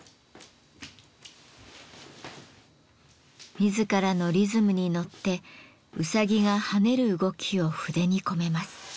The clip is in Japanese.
自らのリズムにのってうさぎが跳ねる動きを筆に込めます。